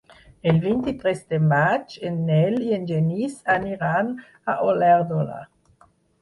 El vint-i-tres de maig en Nel i en Genís aniran a Olèrdola.